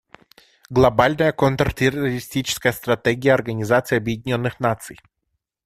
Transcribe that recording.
Глобальная контртеррористическая стратегия Организации Объединенных Наций.